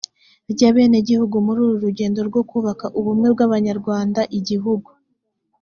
ry abenegihugu muri uru rugendo rwo kubaka ubumwe bw abanyarwanda igihugu